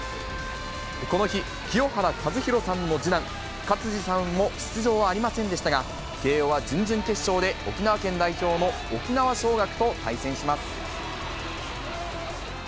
この日、清原和博さんの次男、勝児さんも出場はありませんでしたが、慶応は準々決勝で沖縄県代表の沖縄尚学と対戦します。